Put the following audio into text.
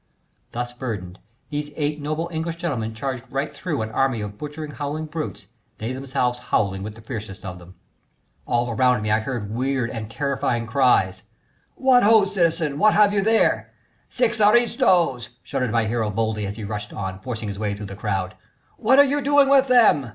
Thus burdened, these eight noble English gentlemen charged right through an army of butchering, howling brutes, they themselves howling with the fiercest of them. All around me I heard weird and terrifying cries: "What ho, citizens! what have you there?" "Six aristos!" shouted my hero boldly as he rushed on, forcing his way through the crowd. "What are you doing with them?"